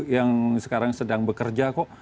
yang sekarang sedang bekerja kok